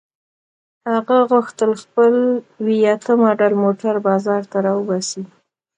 هغه غوښتل خپل وي اته ماډل موټر بازار ته را وباسي.